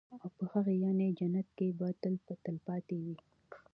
او په هغه يعني جنت كي به تل تلپاتي وي